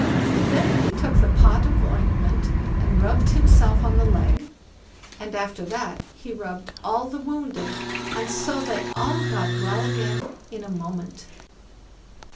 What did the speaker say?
Then he took the pot of ointment and rubbed himself on the leg, and after that he rubbed all the wounded, and so they all got well again in a moment.